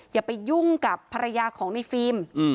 อย่าไปยุ่งกับภรรยาของในฟิล์ม